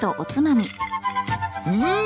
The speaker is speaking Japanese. うん！